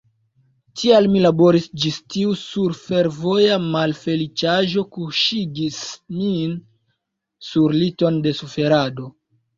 Tial mi laboris, ĝis tiu surfervoja malfeliĉaĵo kuŝigis min sur liton de suferado.